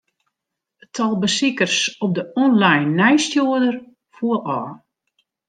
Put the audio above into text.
It tal besikers op de online nijsstjoerder foel ôf.